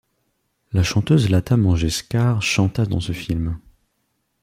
La chanteuse Lata Mangeshkar chanta dans ce film.